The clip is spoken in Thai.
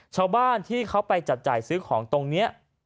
ชาวบ้านที่เขาไปจับจ่ายซื้อของตรงนี้